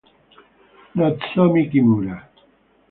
Nozomi Kimura